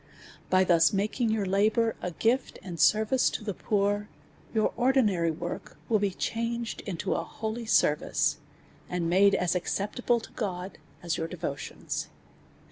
By thus making your labour a gift ^nd service to the poor, your ordinary work will be changed into a holy service, and made as acceptable to God as your devotions.